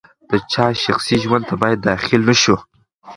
د چا شخصي ژوند ته باید داخل نه شو.